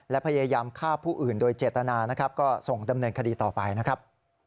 และพยายามฆ่าผู้อื่นโดยเจตนานะครับก็ส่งดำเนินคดีต่อไปนะครับ